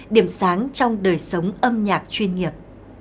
điểm sáng trong đời sống âm nhạc chuyên nghiệp